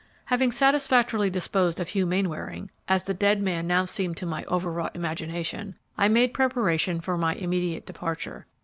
"Having satisfactorily disposed of Hugh Mainwaring (as the dead man now seemed to my over wrought imagination), I made preparation for my immediate departure.